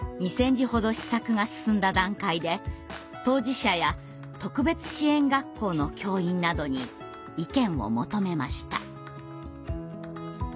字ほど試作が進んだ段階で当事者や特別支援学校の教員などに意見を求めました。